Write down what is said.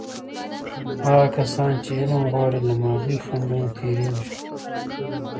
هغه کسان چې علم غواړي، له مادي خنډونو تیریږي.